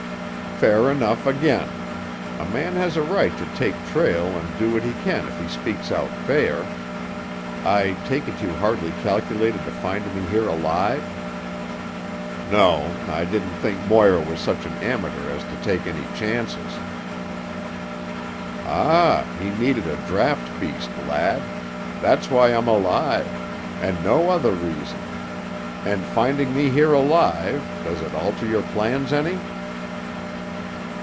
"Fair enough again. A man has a right to take trail and do what he can if he speaks out fair. I take it you hardly calculated to find me here alive?" "No, I didn't think Moir was such an amateur as to take any chances." "Ah, he needed a draft beast, lad; that's why I'm alive, and no other reason. And finding me here alive, does it alter your plans any?"